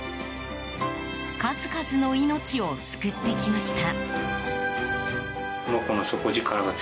数々の命を救ってきました。